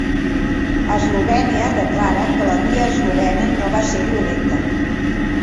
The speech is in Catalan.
Eslovènia declara que la via eslovena no va ser violenta